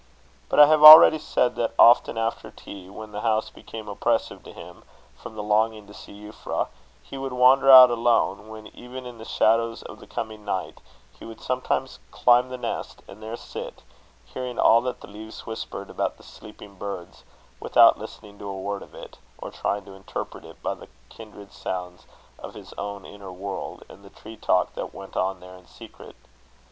But I have already said, that often after tea, when the house became oppressive to him from the longing to see Euphra, he would wander out alone; when, even in the shadows of the coming night, he would sometimes climb the nest, and there sit, hearing all that the leaves whispered about the sleeping birds, without listening to a word of it, or trying to interpret it by the kindred sounds of his own inner world, and the tree talk that went on there in secret.